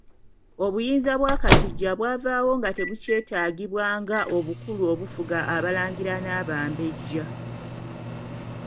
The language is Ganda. Obuyinza bwa Kasujju bwavaawo nga tebukyetaagibwa nga obukulu obufuga abalangira n'abambejja.